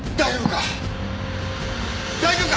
大丈夫か？